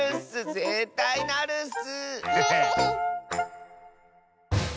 ぜったいなるッス！